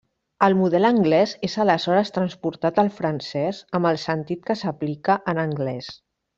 El model anglès és aleshores transportat al francès amb el sentit que s'aplica en anglès.